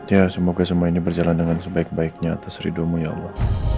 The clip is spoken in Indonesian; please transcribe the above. ya semoga semua ini berjalan dengan sebaik baiknya atas ridhomu ya allah